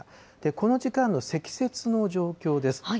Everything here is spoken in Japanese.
この時間の積雪の状況です。